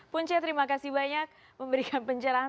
punce terima kasih banyak memberikan pencerahan